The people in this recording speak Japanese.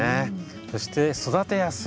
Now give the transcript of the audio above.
そして育てやすい。